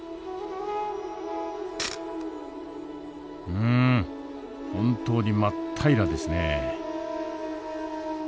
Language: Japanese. うん本当に真っ平らですね。